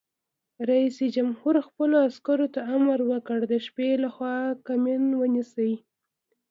رئیس جمهور خپلو عسکرو ته امر وکړ؛ د شپې لخوا کمین ونیسئ!